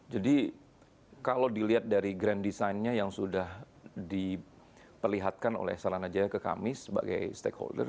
jadi kalau dilihat dari grand design nya yang sudah diperlihatkan oleh sarana jaya ke kami sebagai stakeholder